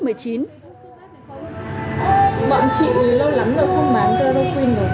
bọn chị lâu lắm là không bán garofin rồi